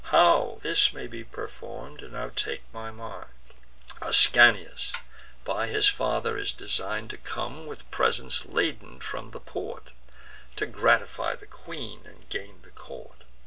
How this may be perform'd, now take my mind: Ascanius by his father is design'd To come, with presents laden, from the port, To gratify the queen, and gain the court.